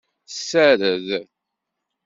Tessared.